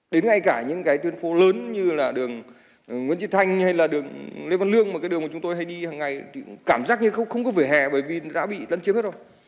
đến ngay cả những cái tuyến phố lớn như là đường nguyễn trị thanh hay là đường lê văn lương mà cái đường mà chúng tôi hay đi hằng ngày cảm giác như không có vỉa hè bởi vì đã bị lân chiếm hết rồi